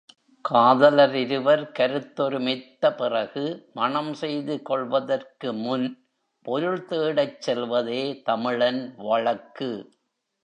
காதலரிருவர் கருத்தொருமித்த பிறகு மணம் செய்து கொள்வதற்கு முன் பொருள்தேடச் செல்வதே தமிழன் வழக்கு.